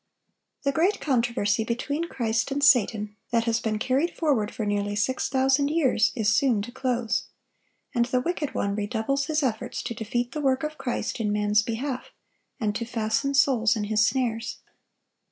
] The great controversy between Christ and Satan, that has been carried forward for nearly six thousand years, is soon to close; and the wicked one redoubles his efforts to defeat the work of Christ in man's behalf, and to fasten souls in his snares.